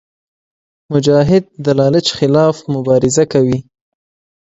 مجاهد د لالچ خلاف مبارزه کوي.